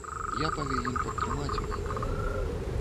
Я павінен падтрымаць іх.